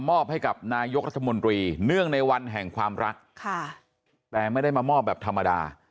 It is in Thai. มอบให้กับนายกรัฐมนตรีเนื่องในวันแห่งความรักแต่ไม่ได้มามอบแบบธรรมดา